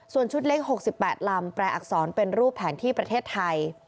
ส่วนชุดเล็ก๖๘ลำแปลอักษรเป็นรูปแผนที่ประเทศไทย